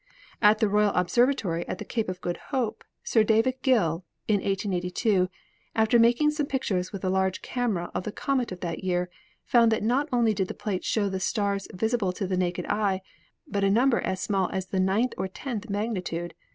At the Royal Observatory at the Cape of Good Hope Sir David Gill, in 1882, after making some pictures with a large! camera of the comet of that year, found that not only did the plate show the stars visible to the naked eye, but a number as small as the ninth or tenth magnitude.